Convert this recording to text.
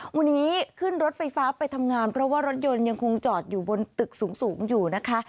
วันนี้ขึ้นรถไฟฟ้าไปทำงานเพราะว่ารถยนต์ยังคงจอดอยู่บนตึกสูงอยู่นะคะ